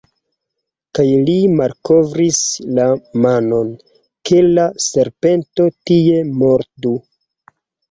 Kaj li malkovris la manon, ke la serpento tie mordu.